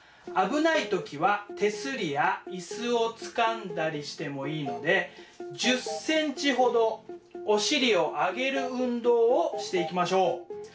危ない時は手すりや椅子をつかんだりしてもいいので１０センチほどお尻をあげる運動をしていきましょう。